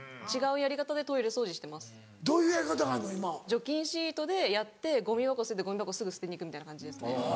除菌シートでやってゴミ箱捨ててゴミ箱すぐ捨てに行くみたいな感じですね。